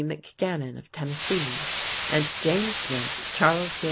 McGannon of Tennessee; and James Lynch, Charles J.